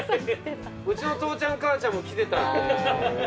うちの父ちゃん母ちゃんも来てた。